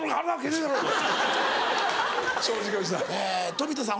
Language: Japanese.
富田さん